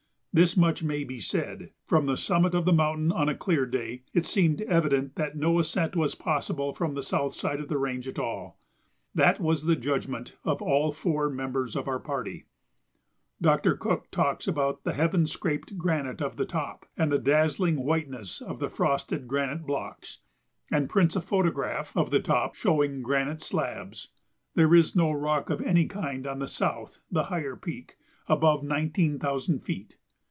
This much may be said: from the summit of the mountain, on a clear day, it seemed evident that no ascent was possible from the south side of the range at all. That was the judgment of all four members of our party. Doctor Cook talks about "the heaven scraped granite of the top" and "the dazzling whiteness of the frosted granite blocks," and prints a photograph of the top showing granite slabs. There is no rock of any kind on the South (the higher) Peak above nineteen thousand feet.